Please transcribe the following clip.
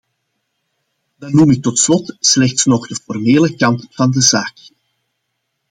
Dan noem ik tot slot slechts nog de formele kant van de zaak.